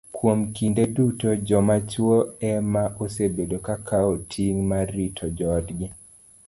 Kuom kinde duto, joma chwo ema osebedo ka kawo ting' mar rito joodgi